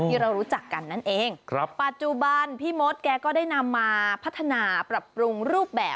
ที่เรารู้จักกันนั่นเองครับปัจจุบันพี่มดแกก็ได้นำมาพัฒนาปรับปรุงรูปแบบ